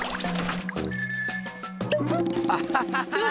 アハハハー！